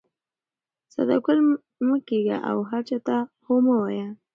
ساده ګل مه کېږه او هر چا ته هو مه وایه.